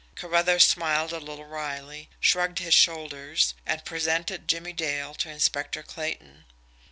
Carruthers smiled a little wryly, shrugged his shoulders and presented Jimmie Dale to Inspector Clayton.